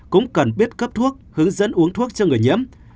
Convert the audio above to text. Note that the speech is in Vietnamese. cũng cần biết cấp thuốc hướng dẫn uống thuốc cho người nhiễm